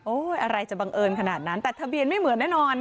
อะไรจะบังเอิญขนาดนั้นแต่ทะเบียนไม่เหมือนแน่นอน